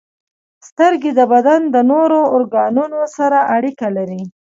• سترګې د بدن د نورو ارګانونو سره اړیکه لري.